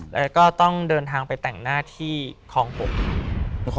แล้วก็ต้องเดินทางไปแต่งหน้าที่ของผม